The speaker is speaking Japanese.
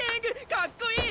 かっこいい！